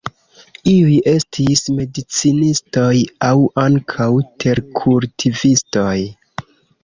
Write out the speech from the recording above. Iuj estis medicinistoj aŭ ankaŭ terkultivistoj.